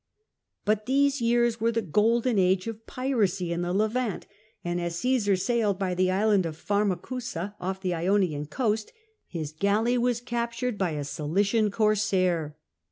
But these years were the golden age of piracy in the Levant, and as C^sar sailed by the island of Pharmaeusa, off the Ionian coast, his galley was captured by a Cilician corsair.